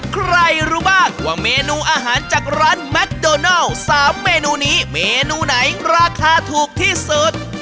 ใครรู้บ้างว่าเมนูอาหารจากร้านแมคโดนัล๓เมนูนี้เมนูไหนราคาถูกที่สุด